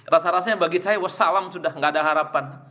rasa rasanya bagi saya wassalam sudah tidak ada harapan